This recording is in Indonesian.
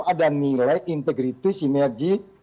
ada nilai integritas sinergi